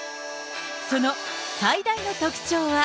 その最大の特徴は。